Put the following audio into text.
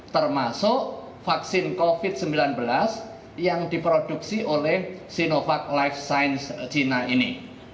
termasuk vaksin covid sembilan belas yang diproduksi oleh sinovac life science china ini